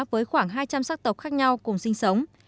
với khoảng hai trăm linh sắc tộc khác nhau cùng sinh sống